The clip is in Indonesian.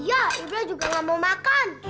iya iblis juga gak mau makan